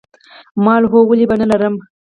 ما وویل هو ولې به نه لرم